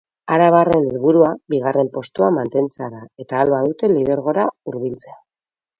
Arabarren helburua bigarren postua mantentzea da eta ahal badute lidergora hurbiltzea.